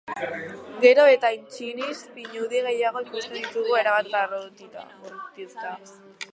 Gero eta intsinis pinudi gehiago ikusten ditugu erabat gorrituta.